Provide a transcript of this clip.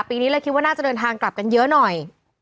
ปีนี้เลยคิดว่าน่าจะเดินทางกลับกันเยอะหน่อย